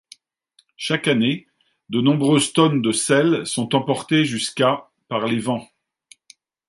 Chaque année, de nombreuses tonnes de sel sont emportées jusqu'à par les vents.